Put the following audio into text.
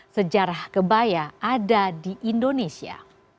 sejarah kebaya ada di indonesia